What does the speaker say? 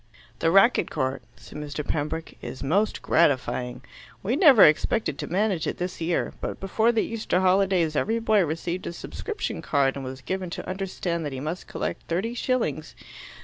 "The racquet court," said Mr. Pembroke, "is most gratifying. We never expected to manage it this year. But before the Easter holidays every boy received a subscription card, and was given to understand that he must collect thirty shillings.